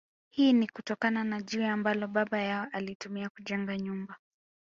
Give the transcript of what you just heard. Hii ni kutokana na jiwe ambalo baba yao alitumia kujenga nyumba